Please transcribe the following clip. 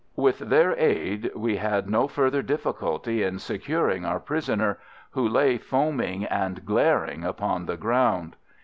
With their aid we had no further difficulty in securing our prisoner, who lay foaming and glaring upon the ground.